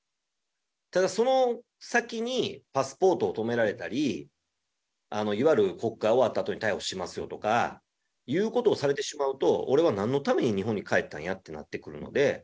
ただ、その先に、パスポートを止められたり、いわゆる国会終わったあとに逮捕しますよとかいうことをされてしまうと、俺はなんのために日本に帰ったんやってなってくるので。